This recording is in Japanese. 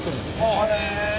へえ。